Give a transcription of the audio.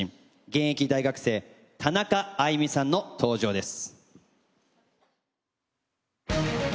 現役大学生田中あいみさんの登場です。